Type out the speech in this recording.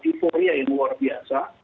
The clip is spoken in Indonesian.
euphoria yang luar biasa